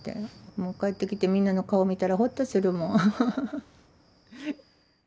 もう帰ってきてみんなの顔見たらほっとするもん。